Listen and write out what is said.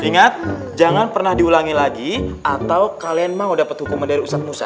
ingat jangan pernah diulangi lagi atau kalian mau dapat hukuman dari ustadz musa